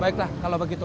baiklah kalau begitu